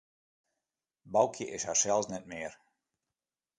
Boukje is harsels net mear.